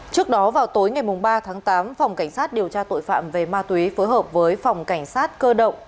trước đó vào tối ngày ba tháng tám phòng cảnh sát điều tra tội phạm về ma túy phối hợp với phòng cảnh sát cơ động